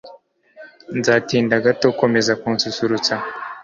Nzatinda gato. Komeza kunsusurutsa